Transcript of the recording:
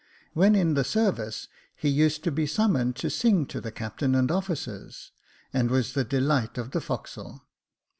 When in the service, he used to be summoned to sing to the captain and officers, and was the delight of the forecastle.